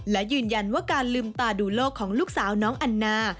และยืนยันว่าการลืมตาดูโลกของลูกสาวน้องอันนา